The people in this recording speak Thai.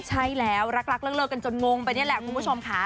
ใช่แล้วรักเลิกกันจนงงไปนี่แหละคุณผู้ชมค่ะ